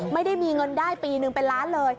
ไม่ได้มีเงินได้ปีนึงเป็นล้านเลย